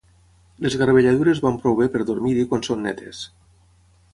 Les garbelladures van prou bé per dormir-hi quan són netes